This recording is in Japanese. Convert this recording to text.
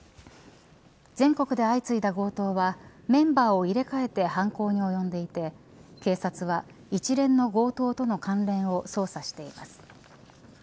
全国で相次いだ強盗はメンバーを入れ替えて犯行におよんでいて警察は一連の強盗との関連を捜査しています。